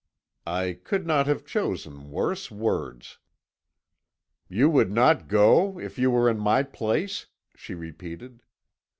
"I could not have chosen worse words. "'You would not go if you were in my place!' she repeated.